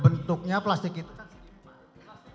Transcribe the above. bentuknya plastik itu kan seniman